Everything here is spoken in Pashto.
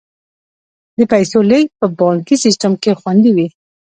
د پیسو لیږد په بانکي سیستم کې خوندي وي.